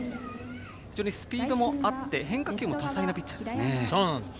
スピードもあって変化球も多彩なピッチャーですね。